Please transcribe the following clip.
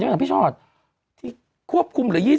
ถามพี่ชอตที่ควบคุมเหลือ๒๐